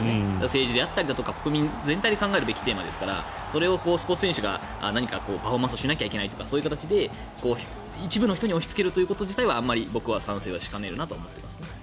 政治だったりとか国民全体で考えるべきテーマですからそれをスポーツ選手が何かパフォーマンスをしなきゃいけないとかそういう形で一部の人に押しつけることはあまり僕は賛成はしかねるなと思っていますね。